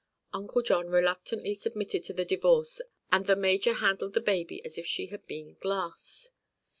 Uncle John reluctantly submitted to the divorce and the major handled the baby as if she had been glass.